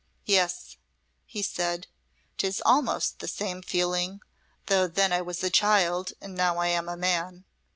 "Yes," he said, "'tis almost the same feeling, though then I was a child, and now I am a man.